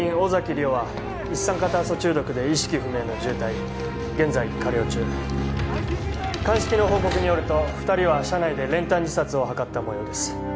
莉桜は一酸化炭素中毒で意識不明の重体現在加療中鑑識の報告によると２人は車内で練炭自殺を図ったもようです